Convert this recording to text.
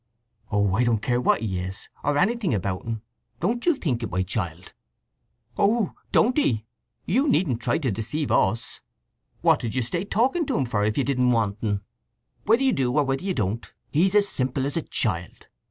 "Oh, I don't care what he is, or anything about 'n. Don't you think it, my child!" "Oh, don't ye! You needn't try to deceive us! What did you stay talking to him for, if you didn't want un? Whether you do or whether you don't, he's as simple as a child.